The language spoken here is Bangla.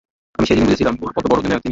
আমি সেদিনই বুঝেছিলাম কত বড় অধিনায়ক তিনি।